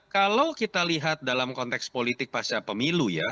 kalau kita lihat dalam konteks politik pasca pemilu ya